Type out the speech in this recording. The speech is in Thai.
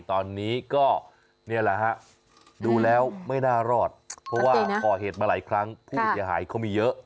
ตอนนี้ก็นี่แหละฮะดูแล้วไม่น่ารอดเพราะว่าก่อเหตุมาหลายครั้งผู้เสียหายเขามีเยอะ